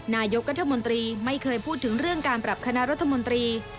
นายกรัฐมนตรีไม่เคยพูดถึงเรื่องการปรับคณะรัฐมนตรี